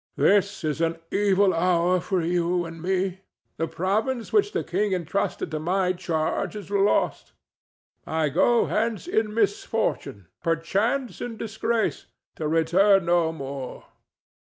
"This is an evil hour for you and me. The province which the king entrusted to my charge is lost. I go hence in misfortune—perchance in disgrace—to return no more.